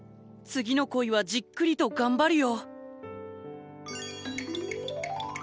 次の恋はじっくりと頑張るよ。